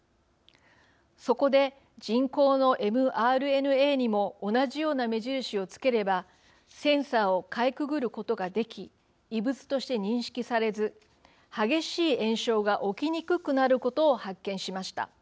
そこで、人工のｍＲＮＡにも同じような目印を付ければセンサーをかいくぐることができ異物として認識されず激しい炎症が起きにくくなることを発見しました。